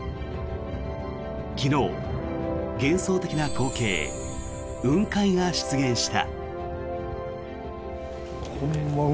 昨日、幻想的な光景、雲海が出現した。